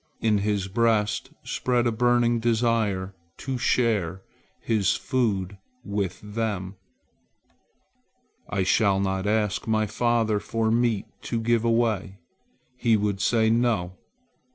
In his breast spread a burning desire to share his food with them. "I shall not ask my father for meat to give away. He would say 'No!'